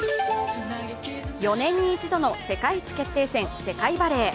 ４年に一度の世界一決定戦、世界バレー。